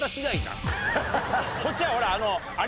こっちはほらあの。